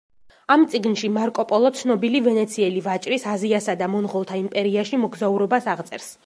ამ წიგნში მარკო პოლო ცნობილი ვენეციელი ვაჭრის აზიასა და მონღოლთა იმპერიაში მოგზაურობას აღწერს.